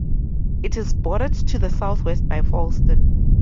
It is bordered to the southwest by Fallston.